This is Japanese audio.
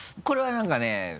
これはなんかね